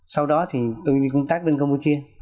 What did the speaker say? sau đó thì tôi đi công tác bên campuchia